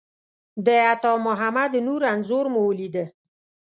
د عطامحمد نور انځور مو ولیده.